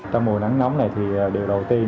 trong mùa nắng nóng này thì điều đầu tiên